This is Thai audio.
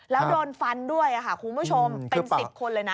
แล้วโดนฟันด้วยค่ะคุณผู้ชมเป็น๑๐คนเลยนะ